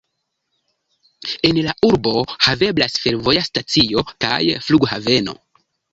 En la urbo haveblas fervoja stacio kaj flughaveno.